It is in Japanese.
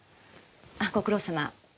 あっご苦労さま。